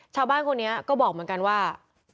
ชาวบ้านคนนี้ก็บอกเหมือนกันว่า